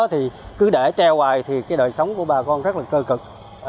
thì cứ để treo hoài thì cái đời sống của bà con rất là cơ cực